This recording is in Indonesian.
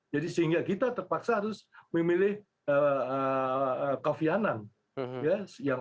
jadi sehingga kita terpaksa harus memilih kofi annan